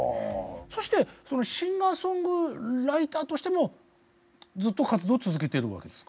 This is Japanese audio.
そしてシンガーソングライターとしてもずっと活動を続けているわけですか？